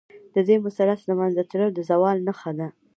د دې مثلث له منځه تلل، د زوال نښه ده.